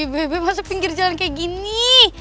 bebe masuk pinggir jalan kayak gini